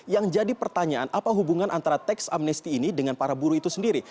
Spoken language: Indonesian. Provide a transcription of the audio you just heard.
yang jadi pertanyaan apa hubungan antara teks amnesti ini dengan para buruh itu sendiri